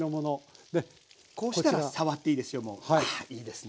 あいいですね。